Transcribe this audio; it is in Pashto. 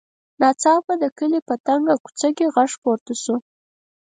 ناڅاپه د کلي په تنګه کوڅه کې غږ پورته شو.